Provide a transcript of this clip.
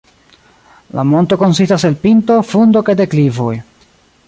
La monto konsistas el pinto, fundo kaj deklivoj.